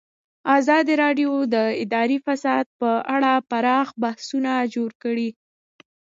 ازادي راډیو د اداري فساد په اړه پراخ بحثونه جوړ کړي.